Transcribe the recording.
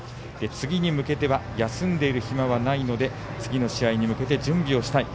次に向けては休んでいる暇はないので次の試合に向けて準備をしたい。